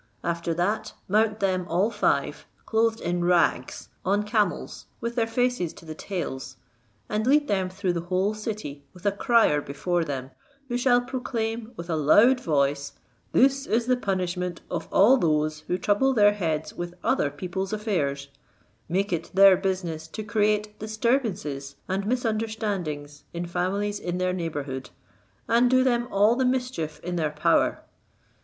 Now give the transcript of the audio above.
After that, mount them all five, clothed in rags, on camels, with their faces to the tails, and lead them through the whole city, with a crier before them, who shall proclaim with a loud voice, 'This is the punishment of all those who trouble their heads with other people's affairs, make it their business to create disturbances and misunderstandings in families in their neighbourhood, and do them all the mischief in their power.'